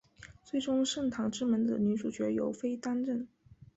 最终圣堂之门的女主角由飞担任。